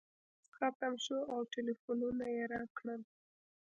مجلس ختم شو او ټلفونونه یې راکړل.